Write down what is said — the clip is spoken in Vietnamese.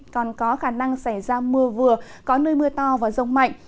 còn có khả năng xảy ra mưa vừa có nơi mưa to và rông mạnh